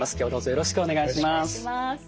よろしくお願いします。